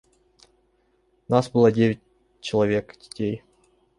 Нас было девять человек детей.